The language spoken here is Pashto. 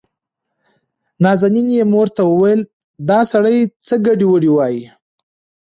نازنين يې مور ته وويل دا سړى څه ګډې وډې وايي.